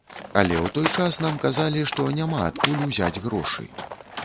Але ў той час нам казалі, што няма адкуль узяць грошы.